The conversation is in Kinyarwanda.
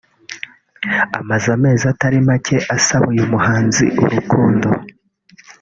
amaze amezi atari make asaba uyu muhanzi urukundo